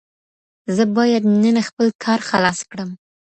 زه بايد نن خپل کار خلاص کړم.